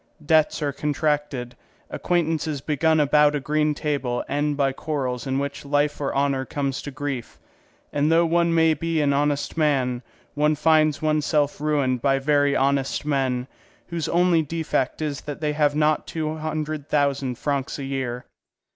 Debts are contracted, acquaintances begun about a green table end by quarrels in which life or honour comes to grief; and though one may be an honest man, one finds oneself ruined by very honest men, whose only defect is that they have not two hundred thousand francs a year.